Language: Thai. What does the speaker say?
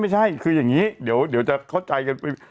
ไม่ใช่คืออย่างนี้เดี๋ยวจะเข้าใจกันไป